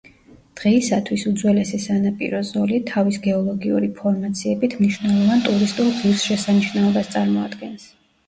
დღეისათვის, უძველესი სანაპირო ზოლი თავის გეოლოგიური ფორმაციებით მნიშვნელოვან ტურისტულ ღირსშესანიშნაობას წარმოადგენს.